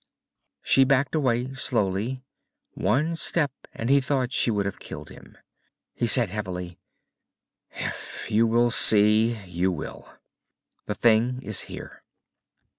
She backed away slowly, one step, and he thought she would have killed him. He said heavily: "If you will see, you will. The thing is here."